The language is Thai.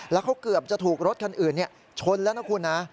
แล้วเขาเกือบจะถูกรถคันอื่นชนแล้วนะคุณนะ